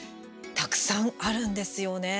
たくさんあるんですよね。